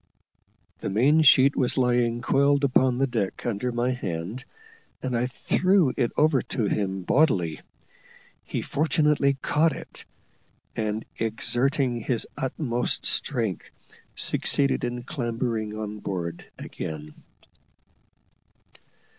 The main sheet was lying coiled upon the deck under my hand, and I threw it over to him bodily. He fortunately caught it, and, exerting his utmost strength, succeeded in clambering on board again.